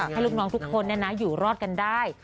ให้ลูกน้องทุกคนอยู่รอดกันได้